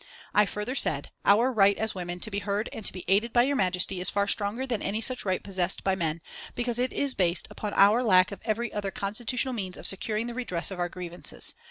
I further said: "Our right as women to be heard and to be aided by Your Majesty is far stronger than any such right possessed by men, because it is based upon our lack of every other constitutional means of securing the redress of our grievances.